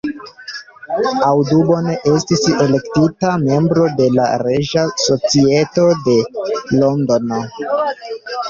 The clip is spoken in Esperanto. Audubon estis elektita membro de la Reĝa Societo de Londono.